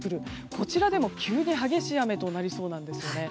こちらでも急に激しい雨となりそうなんですね。